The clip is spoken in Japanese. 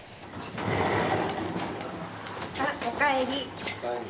・あっおかえり。